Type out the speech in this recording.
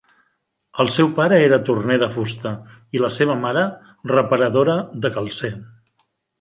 El seu pare era torner de fusta i la seva mare reparadora de calcer.